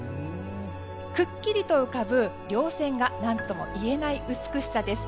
くっきりと浮かぶ稜線が何とも言えない美しさです。